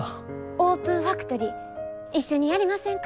オープンファクトリー一緒にやりませんか？